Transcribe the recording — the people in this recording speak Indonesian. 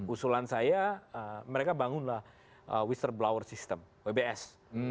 usulan saya mereka bangunlah wister blower system wbs